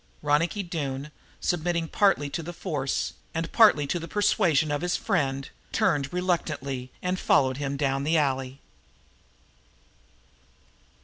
Ronicky Doone, submitting partly to the force and partly to the persuasion of his friend, turned reluctantly and followed him down the alley.